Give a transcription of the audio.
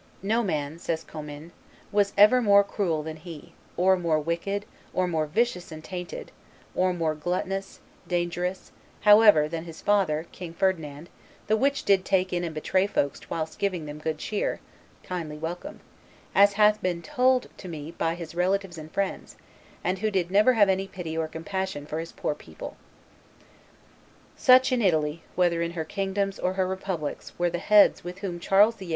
"No man," says Commynes, "was ever more cruel than he, or more wicked, or more vicious and tainted, or more gluttonous; less dangerous, however, than his father, King Ferdinand, the which did take in and betray folks whilst giving them good cheer (kindly welcome), as hath been told to me by his relatives and friends, and who did never have any pity or compassion for his poor people." Such, in Italy, whether in her kingdoms or her republics, were the Heads with whom Charles VIII.